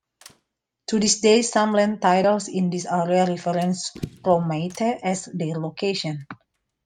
To this day some land titles in this area reference Roimata as their location.